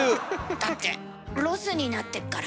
だってロスになってっから。